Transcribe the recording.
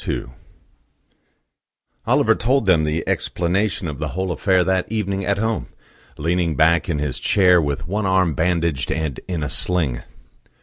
II Oliver told them the explanation of the whole affair that evening at home, leaning back in his chair, with one arm bandaged and in a sling.